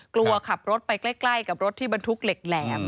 ขับรถไปใกล้กับรถที่บรรทุกเหล็กแหลม